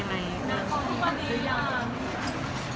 น่าควรมีความสุขยาก